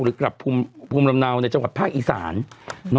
กลับภูมิลำเนาในจังหวัดภาคอีสาน